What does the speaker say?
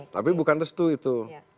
tapi bukan restu itu